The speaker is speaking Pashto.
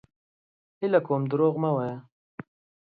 هيله کوم دروغ مه وايه!